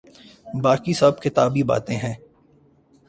باقی سب کتابی باتیں ہیں۔